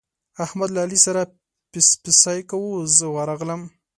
احمد له علي سره پسپسی کاوو، زه ورغلم.